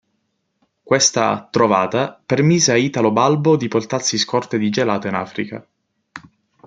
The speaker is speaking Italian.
Questa "trovata" permise a Italo Balbo di portarsi scorte di gelato in Africa.